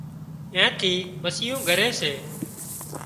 اين ٿي مسيون ڳري سي